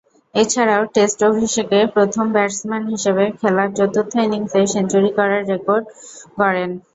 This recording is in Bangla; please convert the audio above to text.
এছাড়াও, টেস্ট অভিষেকে প্রথম ব্যাটসম্যান হিসেবে খেলার চতুর্থ ইনিংসে সেঞ্চুরি করার রেকর্ড গড়েন।